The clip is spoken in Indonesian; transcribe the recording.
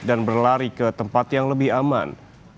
dan berlari ke tempat yang lebih aman